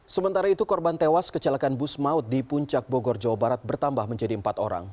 sementara itu korban tewas kecelakaan bus maut di puncak bogor jawa barat bertambah menjadi empat orang